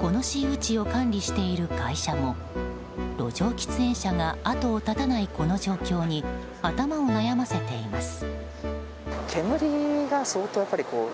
この私有地を管理している会社も路上喫煙者が後を絶たないこの状況に頭を悩ませています。